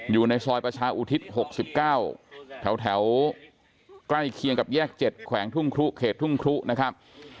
อยู่ในซอยประชาอุทิศ๖๙แถวใกล้เคียงกับแยก๗แขวงทุ่งครุเขตทุ่งครุนะครับ